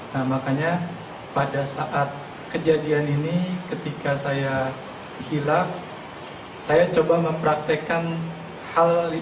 nah makanya pada saat kejadian ini ketika saya hilaf saya coba mempraktekkan hal ini